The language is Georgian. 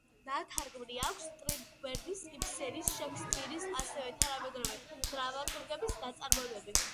ნათარგმნი აქვს სტრინდბერგის, იბსენის, შექსპირის, ასევე თანამედროვე დრამატურგების ნაწარმოებები.